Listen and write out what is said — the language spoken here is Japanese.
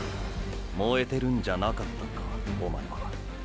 燃えてるんじゃなかったのかおまえは。